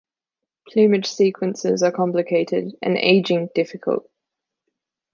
Plumage sequences are complicated, and aging difficult.